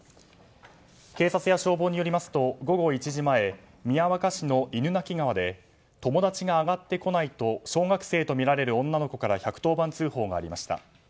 警察や消防によりますと午後１時前、宮若市の犬鳴川で友達が上がってこないと小学生とみられる女の子から１１０番通報がありました。